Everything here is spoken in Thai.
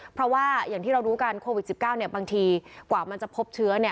เพราะว่าอย่างที่เรารู้กันโควิดสิบเก้าเนี่ยบางทีกว่ามันจะพบเชื้อเนี่ย